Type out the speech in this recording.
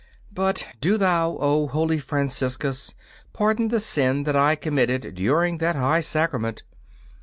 But do thou, O holy Franciscus, pardon the sin that I committed during that high sacrament!